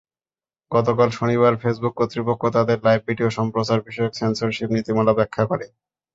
গতকাল শনিবার ফেসবুক কর্তৃপক্ষ তাদের লাইভ ভিডিও সম্প্রচার-বিষয়ক সেন্সরশিপ নীতিমালা ব্যাখ্যা করে।